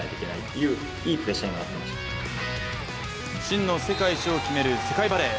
真の世界一を決める世界バレー。